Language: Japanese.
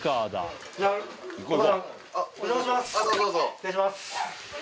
失礼します。